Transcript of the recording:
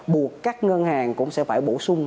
buộc các ngân hàng cũng sẽ phải